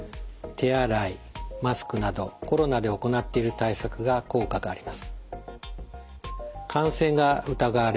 手洗いマスクなどコロナで行っている対策が効果があります。